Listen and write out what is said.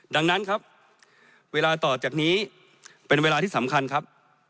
ดังนั้นครับเวลาต่อจากนี้เป็นเวลาที่สำคัญครับ